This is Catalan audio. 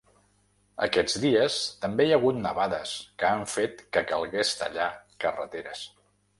Aquests dies també hi ha hagut nevades, que han fet que calgués tallar carreteres.